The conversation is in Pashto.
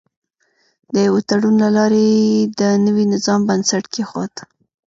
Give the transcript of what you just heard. د یوه تړون له لارې یې د نوي نظام بنسټ کېښود.